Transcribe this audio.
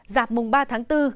giạp mùng ba tháng bốn